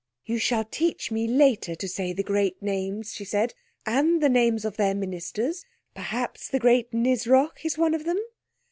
"You shall teach me later to say the great names," she said. "And the names of their Ministers—perhaps the great Nisroch is one of them?"